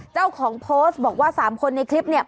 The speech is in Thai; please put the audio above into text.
เจ้าของโพสต์บอกว่า๓คนในคลิปเนี่ย